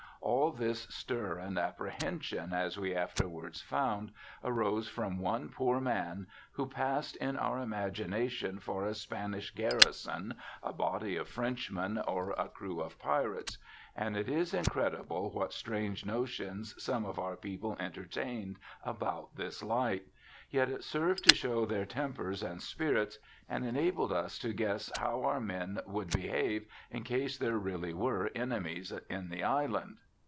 All this stir and apprehension, as we afterwards found, arose from one poor man, who passed in our imagination for a Spanish garrison, a body of Frenchmen, or a crew of pirates, and it is incredible what strange notions some of our people entertained about this light ; yet it served to show their tempers and spirits, and enabled us to guess how our men would behave in case there really were enemies in the island.